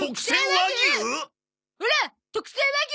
オラ特選和牛